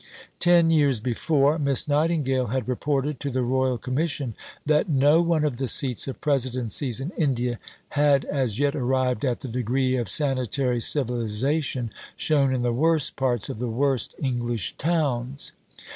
Ten years before, Miss Nightingale had reported to the Royal Commission that no one of the seats of Presidencies in India had as yet arrived at the degree of sanitary civilization shown in the worst parts of the worst English towns.